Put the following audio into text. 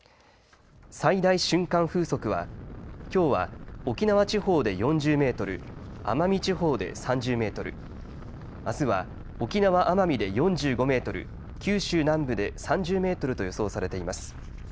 最大瞬間風速はきょうは沖縄地方で４０メートル、奄美地方で３０メートル、あすは沖縄・奄美で４５メートル、九州南部で３０メートルと予想されています。